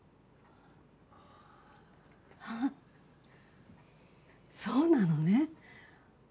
ああそうなのね。